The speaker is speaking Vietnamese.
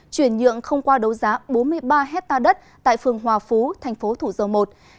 chuyển nhượng không qua đấu giá bốn mươi ba hectare đất tại phường hòa phú thành phố thủ dầu một